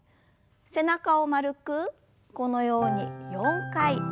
背中を丸くこのように４回ゆすります。